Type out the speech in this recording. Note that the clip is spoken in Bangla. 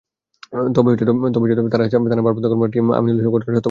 তবে তাড়াশ থানার ভারপ্রাপ্ত কর্মকর্তা টিএম আমিনুল ইসলাম ঘটনা সত্য বলে জানিয়েছেন।